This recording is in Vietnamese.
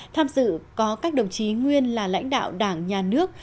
tham dự có các đồng chí nguyên là lãnh đạo đảng nhà nước